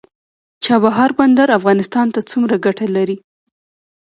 چابهار بندر افغانستان ته څومره ګټه لري؟